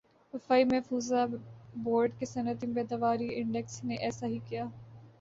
وفاقی محفوظہ بورڈ کے صنعتی پیداواری انڈیکس نے ایسا ہی کِیا